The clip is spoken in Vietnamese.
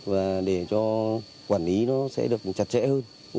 và để cho quản lý nó sẽ được đăng ký lại